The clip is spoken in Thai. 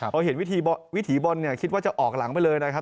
พอเห็นวิถีบอลเนี่ยคิดว่าจะออกหลังไปเลยนะครับ